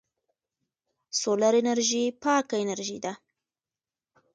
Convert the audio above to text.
سولر انرژي پاکه انرژي ده.